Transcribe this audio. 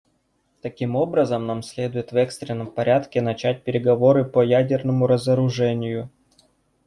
Таким образом, нам следует в экстренном порядке начать переговоры по ядерному разоружению.